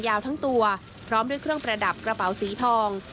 ยาวทั้งตัวพร้อมด้วยเครื่องประดับกระเป๋าสีทอง